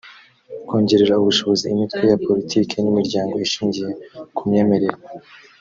kongerera ubushobozi imitwe ya politiki nimiryango ishingiye ku myemerere